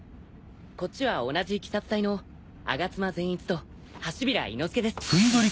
こっちは同じ鬼殺隊の我妻善逸と嘴平伊之助です。